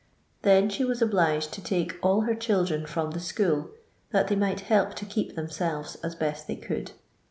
Then she was obliged to take all her children from their school, that they might help to keep themselves as best they could.